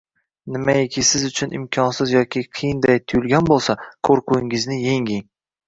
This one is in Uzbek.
Nimayiki siz uchun imkonsiz yoki qiyinday tuyulgan bo’lsa qo’rquvingizni yenging-u